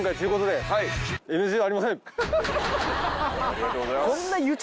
ありがとうございます。